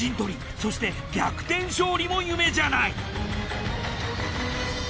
そして逆転勝利も夢じゃない！